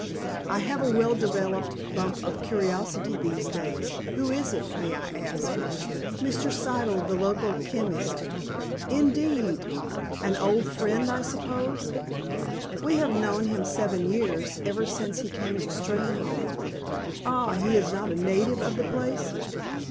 "I have a well developed bump of curiosity these days. Who is it, may I ask?" "Mr. Siddle, the local chemist." "Indeed. An old friend, I suppose?" "We have known him seven years, ever since he came to Steynholme." "Ah. He is not a native of the place?"